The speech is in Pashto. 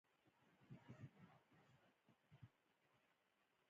په افغانستان کې د ځمکه لپاره طبیعي شرایط مناسب دي.